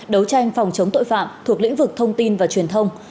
đấu tranh phòng chống tội phạm thuộc lĩnh vực thông tin và truyền thông